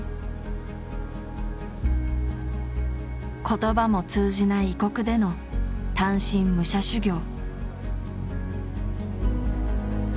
言葉も通じない異国での単身武者修行。